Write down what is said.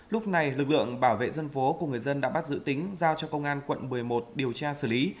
lúc này lực lượng bảo vệ dân phố cùng người dân đã bắt giữ tính giao cho công an quận một mươi một điều tra xử lý